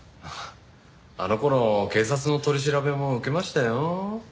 あの頃警察の取り調べも受けましたよ。